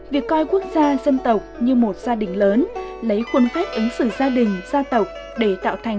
việc coi quốc gia dân tộc như một gia đình lớn lấy khuôn phách ứng xử gia đình gia tộc để tạo thành